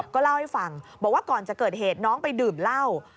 ก็เล่าให้ฟังบอกว่าก่อนจะเกิดเหตุน้องไปดื่มเหล้า